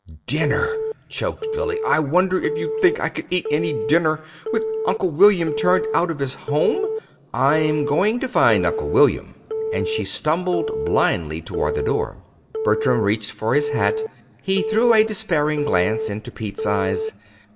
"Dinner!" choked Billy. "I wonder if you think I could eat any dinner with Uncle William turned out of his home! I'm going to find Uncle William." And she stumbled blindly toward the door. Bertram reached for his hat. He threw a despairing glance into Pete's eyes.